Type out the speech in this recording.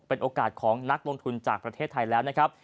เป็นโอกาสของนักลงทุนจากประเทศไทยแล้วนะครับ